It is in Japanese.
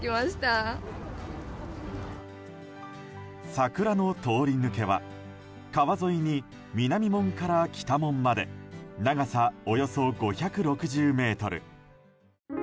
桜の通り抜けは川沿いに、南門から北門まで長さおよそ５６０ｍ。